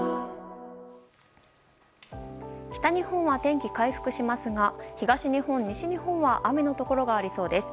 北日本は天気回復しますが東日本、西日本は雨のところがありそうです。